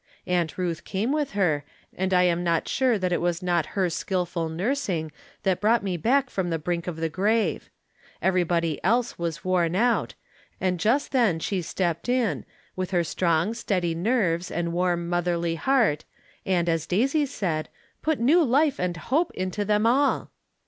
Aunt Ruth came with her, and I am not sure that it was not her skillful nursing that brought me back from the brink of the grave. Everybody else was worn out, and just then she stepped in, with her strong, steady nerves and warm, motherly heart, and, as Daisy said, " put new life and hope into them all."